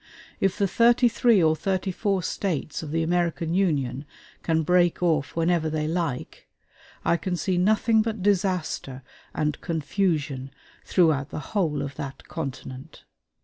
If the thirty three or thirty four States of the American Union can break off whenever they like, I can see nothing but disaster and confusion throughout the whole of that continent.